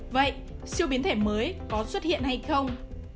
vậy siêu biến thể mới có xuất hiện hay không